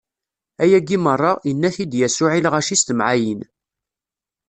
Ayagi meṛṛa, inna-t-id Yasuɛ i lɣaci s temɛayin.